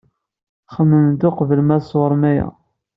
Xemmemet uqbel ma tsewrem aya.